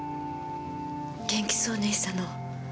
元気そうね久乃。